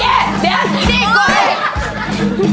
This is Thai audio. เย้เดี๋ยวนี่โกง